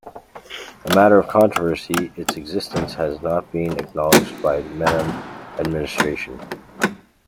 A matter of controversy, its existence has not been acknowledged by the Menem administration.